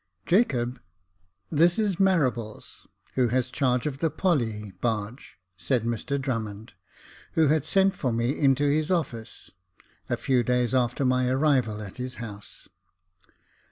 " Jacob, this is Marables, who has charge of the Polly barge," said Mr Drummond, who had sent for me into his office, a few days after my arrival at his house.